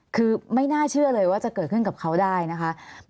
คือไม่น่าเชื่อเลยว่าจะเกิดขึ้นกับเขาได้นะคะ